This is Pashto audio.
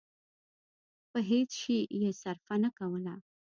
په هېڅ شي يې صرفه نه کوله.